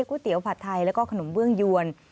เตี๋ยผัดไทยแล้วก็ขนมเบื้องยวน